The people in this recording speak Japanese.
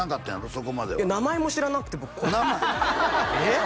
そこまでは名前も知らなくて僕ええ？